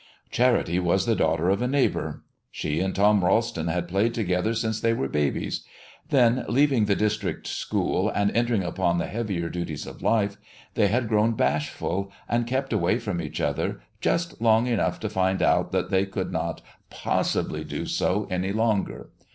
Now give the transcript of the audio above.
Charity was the daughter of a neighbor. She and Tom Ralston had played together since they were babies; then, leaving the district school, and entering upon the heavier duties of life, they had grown bashful, and kept away from each other just long enough to find out that they could not possibly do so any longer.